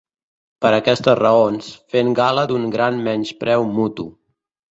Per aquestes raons, fent gala d'un gran menyspreu mutu.